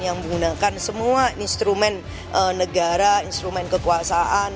yang menggunakan semua instrumen negara instrumen kekuasaan